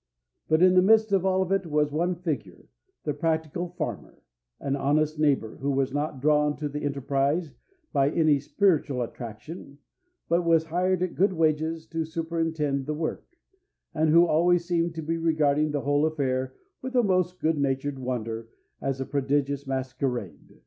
But in the midst of it all was one figure, the practical farmer, an honest neighbor who was not drawn to the enterprise by any spiritual attraction, but was hired at good wages to superintend the work, and who always seemed to be regarding the whole affair with a most good natured wonder as a prodigious masquerade.